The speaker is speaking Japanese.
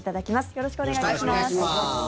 よろしくお願いします。